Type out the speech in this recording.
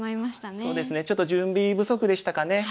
そうですねちょっと準備不足でしたかね。